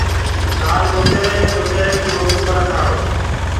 ڪآل دُپيري مي دُپري ڪي روٽي ڪونآ کآرو۔